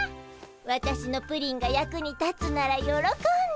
わたしのプリンが役に立つならよろこんで。